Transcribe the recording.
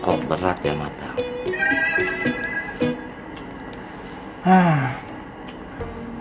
kok berat ya matang